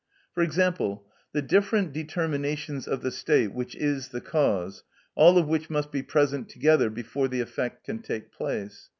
For example, the different determinations of the state which is the cause, all of which must be present together before the effect can take place.